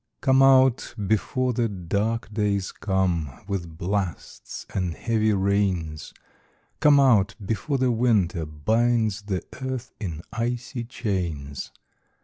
Come out, before the dark days come, With blasts and heavy rains : Come out, before the winter binds The earth in icy chains.